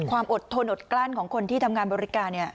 ความอดทนอดกลั้นของคนที่ทำงานบริการ